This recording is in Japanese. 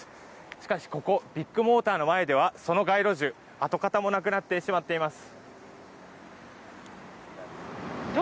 しかしここ、ビッグモーターの前ではその街路樹、跡形もなくなってしまっています。